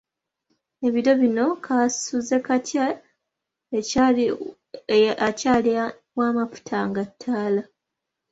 Ebiro bino kaasuzekatya akyali w'amafuta ga ttaala?